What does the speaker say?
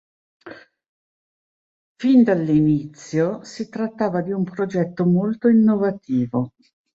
Fin dall'inizio, si trattava di un progetto molto innovativo.